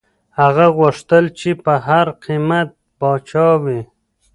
هغه غوښتل چي په هر قیمت پاچا وي.